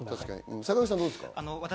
坂口さん、どうですか？